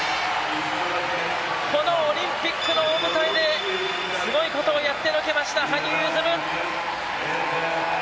このオリンピックの大舞台ですごいことをやってのけました羽生結弦！